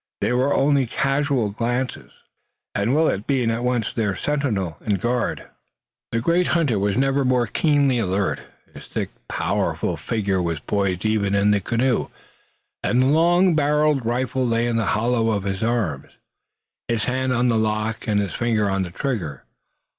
They were only casual glances, Willet being at once their sentinel and guard. The great hunter was never more keenly alert. His thick, powerful figure was poised evenly in the canoe, and the long barreled rifle lay in the hollow of his arm, his hand on the lock and his finger on the trigger.